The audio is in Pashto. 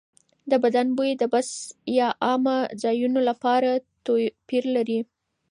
د بدن بوی د بس یا عامه ځایونو لپاره توپیر لري.